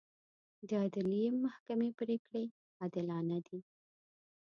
د عدلي محکمې پرېکړې عادلانه دي.